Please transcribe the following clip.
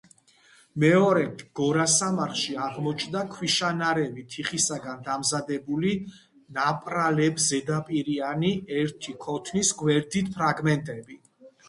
მეორე გორასამარხში აღმოჩნდა ქვიშანარევი თიხისაგან დამზადებული ნაპრიალებზედაპირიანი, ერთი ქოთნის გვერდის ფრაგმენტები.